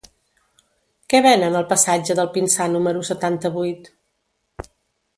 Què venen al passatge del Pinsà número setanta-vuit?